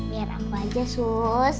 biar aku aja sus